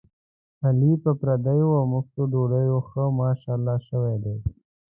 علي په پردیو اومفتو ډوډیو ښه ماشاءالله شوی دی.